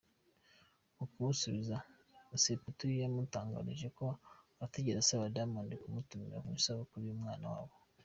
Mu kumusubiza, Sepetu yamutangarije ko ‘Atigeze asaba Diamond kumutumira mu isabukuru y’umwana wabo’.